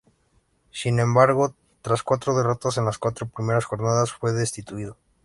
Sin embargo, tras cuatro derrotas en las cuatro primeras jornadas, fue destituido.